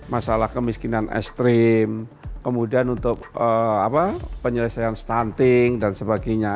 masalah kemiskinan ekstrim kemudian untuk penyelesaian stunting dan sebagainya